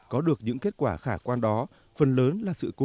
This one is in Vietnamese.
có được những kết quả khả quan đó phần lớn là sự cố